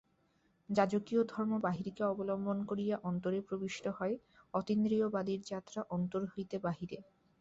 যাজকীয় ধর্ম বাহিরকে অবলম্বন করিয়া অন্তরে প্রবিষ্ট হয়, অতীন্দ্রিয়বাদীর যাত্রা অন্তর হইতে বাহিরে।